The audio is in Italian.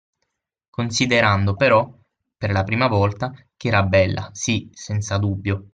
Considerando però, per la prima volta, che era bella, sì, senza dubbio